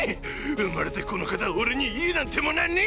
生まれてこの方俺に家なんてものはねぇ！